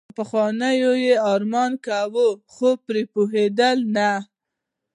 پخوانیو يې ارمان کاوه خو پرې پوهېدل نه.